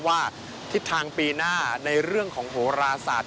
ว่าทิศทางปีหน้าในเรื่องของโหราศาสตร์